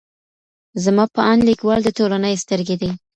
زما په اند ليکوال د ټولني سترګې دي.